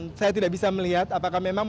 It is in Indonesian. dan saya tidak bisa melihat apakah memang